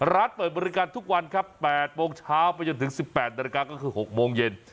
ร้านเปิดบริการทุกวันครับ๘โมงเช้าไปจนถึง๑๘นาฬิกาก็คือ๖โมงเย็น